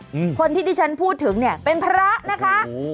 อืมคนที่ที่ฉันพูดถึงเนี้ยเป็นพระนะคะโอ้